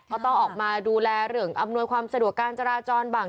ก็ต้องออกมาดูแลเรื่องอำนวยความสะดวกการจราจรบ้าง